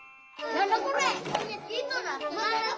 何だこれ！